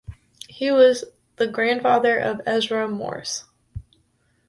He was the grandfather of Ezra Morse.